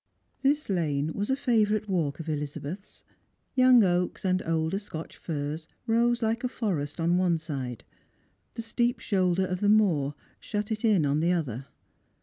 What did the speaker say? This lane was a favourite walk of Elizabeth's. Young oaks and older Scotch firs rose like a forest on one side ; the steep shoulder of the moor shut it in on the other.